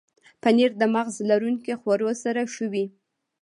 پنېر د مغز لرونکو خوړو سره ښه وي.